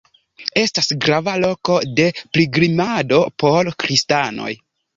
Estas grava loko de pilgrimado por kristanoj.